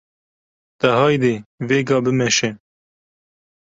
De haydê vêga bimeşe!’’